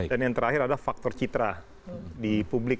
dan yang terakhir adalah faktor citra di publik